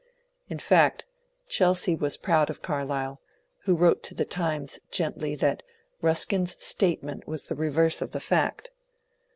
In fact, Chelsea was proud of Carlyle, who wrote to the " Times " gently that Ruskin's statement was the reverse of the fact.